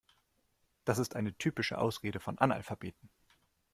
Das ist eine typische Ausrede von Analphabeten.